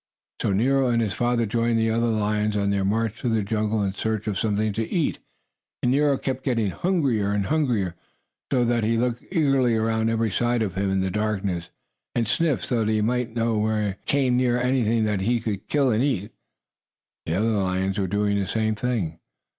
So Nero and his father joined the other lions on their march through the jungle in search of something to eat. And Nero kept getting hungrier and hungrier, so that he looked eagerly around every side of him in the darkness, and sniffed so that he might know when he came near anything he could kill and eat. The other lions were doing the same thing.